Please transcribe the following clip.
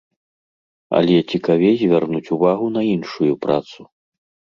Але цікавей звярнуць увагу на іншую працу.